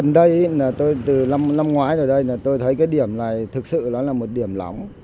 năm ngoái ở đây tôi thấy cái điểm này thực sự là một điểm lóng